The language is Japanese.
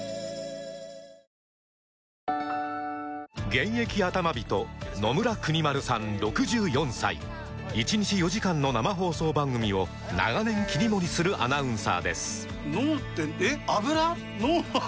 現役アタマ人野村邦丸さん６４歳１日４時間の生放送番組を長年切り盛りするアナウンサーです